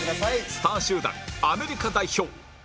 スター集団アメリカ代表